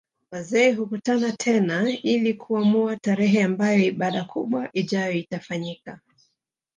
Wazee hukutana tena ili kuamua tarehe ambayo ibada kubwa ijayo itafanyika